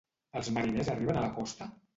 Els mariners arriben a la costa?